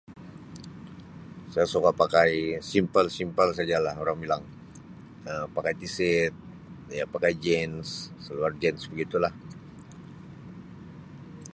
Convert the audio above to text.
"Saya suka pakai ""simple-simple"" saja lah orang bilang Um pakai t seet ya pakai jeans seluar jeans begitu lah."